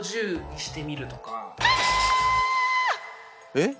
えっ？